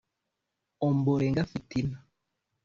Ombolenga Fitina